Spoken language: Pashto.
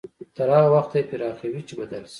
تر هغه وخته يې پراخوي چې بدل شي.